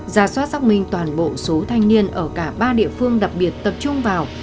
ra soát xác minh toàn bộ số thanh niên ở cả ba địa phương đặc biệt tập trung vào